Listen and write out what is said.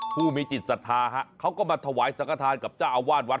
ผู้มีจิตศรัทธาฮะเขาก็มาถวายสังฆฐานกับเจ้าอาวาสวัด